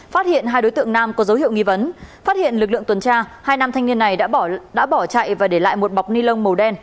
phát hiện hai đối tượng nam có dấu hiệu nghi vấn phát hiện lực lượng tuần tra hai nam thanh niên này đã bỏ chạy và để lại một bọc ni lông màu đen